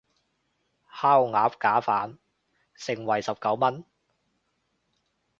烤鴨架飯，盛惠十九文